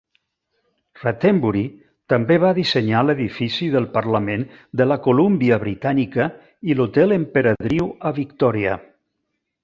Rattenbury també va dissenyar l'edifici del Parlament de la Columbia Britànica i l'hotel Emperadriu a Victòria.